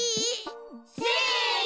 せの！